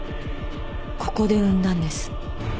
ここで産んだんです。